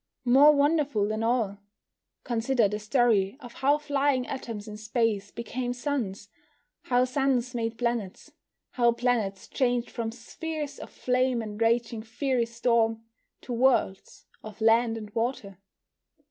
More wonderful than all, consider the story of how flying atoms in space became suns, how suns made planets, how planets changed from spheres of flame and raging fiery storm to worlds of land and water.